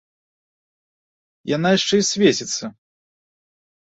Яна яшчэ і свеціцца!